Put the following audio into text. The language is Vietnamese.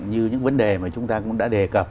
như những vấn đề mà chúng ta cũng đã đề cập